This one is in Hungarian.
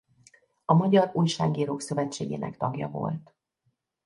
A Magyar Újságírók Szövetségének tagja volt.